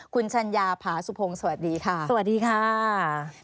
คุณชัญญาผาสุภงษ์สวัสดีค่ะสวัสดีค่ะสวัสดีค่ะ